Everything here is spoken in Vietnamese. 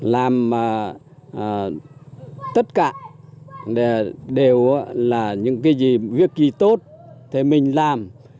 làm tất cả đều là những cái gì việc gì tốt thì mình làm